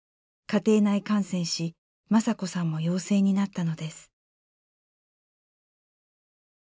家庭内感染し雅子さんも陽性になったのです。